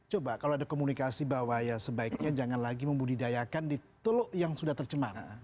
coba kalau ada komunikasi bahwa ya sebaiknya jangan lagi membudidayakan di teluk yang sudah tercemar